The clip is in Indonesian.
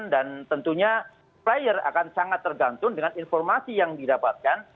tentunya player akan sangat tergantung dengan informasi yang didapatkan